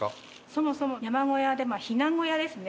そもそも、山小屋でまあ、避難小屋ですね。